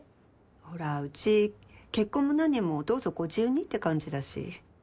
ほらうち結婚も何もどうぞご自由にって感じだし。